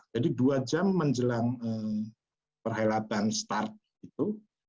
jadi dua jam menjelang perhelatan start itu